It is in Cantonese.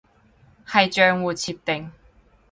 係賬戶設定